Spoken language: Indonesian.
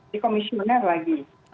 di komisioner lagi